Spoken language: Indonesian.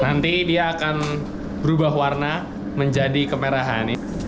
nanti dia akan berubah warna menjadi kemerahan